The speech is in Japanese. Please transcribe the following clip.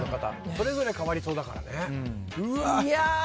それぞれ変わりそうだからね。